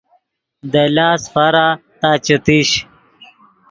دے لاست فارا تا چے تیش